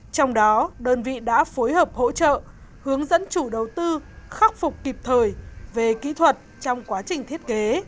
trong đó đơn vị đã phối hợp hỗ trợ hướng dẫn chủ đầu tư khắc phục kịp thời về kỹ thuật trong quá trình thiết kế